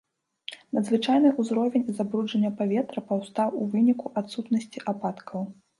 Надзвычайны ўзровень забруджання паветра паўстаў у выніку адсутнасці ападкаў.